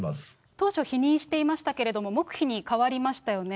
当初、否認していましたけれども、黙秘に変わりましたよね。